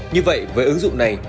như vậy với ứng dụng này